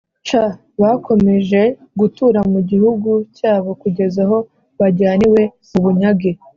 C bakomeje gutura mu gihugu cyabo kugeza aho bajyaniwe mu bunyage